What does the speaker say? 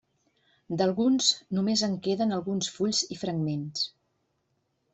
D'alguns només en queden alguns fulls i fragments.